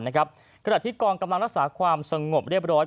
ขณะที่กองกำลังรักษาความสงบเรียบร้อย